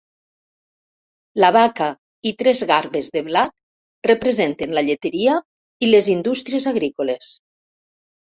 La vaca i tres garbes de blat representen la lleteria i les indústries agrícoles.